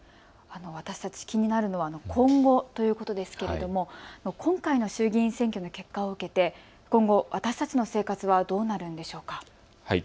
気になるのは今後ということですけれども今回の衆議院選挙の結果を受けて今後、私たちの生活はどうなるんでしょうか。